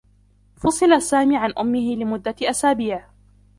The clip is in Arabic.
فُصِلَ سامي عن أمّه لمدّة أسابيع.